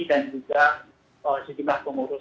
dan juga sejumlah pengurus